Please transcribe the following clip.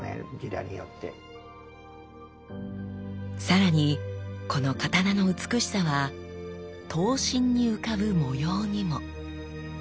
さらにこの刀の美しさは刀身に浮かぶ模様にも。